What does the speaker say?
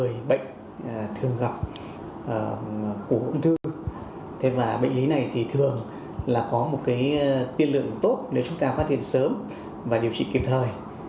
bệnh lý này là một bệnh lý thường gặp của ung thư và bệnh lý này thường là có một tiên lượng tốt nếu chúng ta phát hiện sớm và điều trị kịp thời